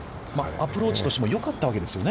アプローチとしてもよかったわけですよね？